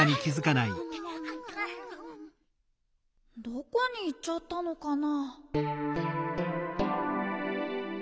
どこにいっちゃったのかな？